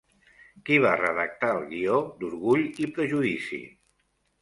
Qui va redactar el guió d'Orgull i prejudici?